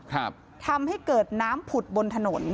ทำให้เกิดน้ำผุดบนถนน